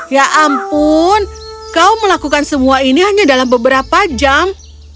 ya ampun kau melakukan semua ini hanya dalam beberapa jam